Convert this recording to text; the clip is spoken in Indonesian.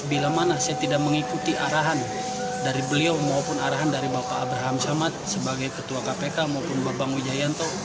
bila mana saya tidak mengikuti arahan dari beliau maupun arahan dari bapak abraham samad sebagai ketua kpk maupun bapak wijayanto